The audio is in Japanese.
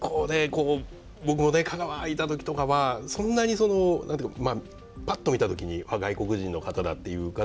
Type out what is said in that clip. こう僕もね香川いた時とかはそんなにそのパッと見た時に外国人の方だっていう方に会うことが